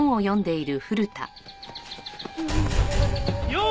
よう！